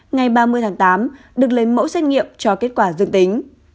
ngày ba mươi tháng tám được lấy mẫu xét nghiệm cho kết quả dương tính